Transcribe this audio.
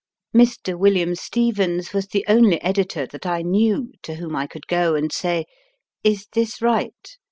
Mr. William Stevens was the only editor that I knew to whom I could go and say, Is this right